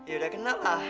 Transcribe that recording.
ya udah kenal lah